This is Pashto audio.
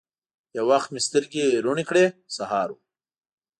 یو وخت مې سترګي روڼې کړې ! سهار و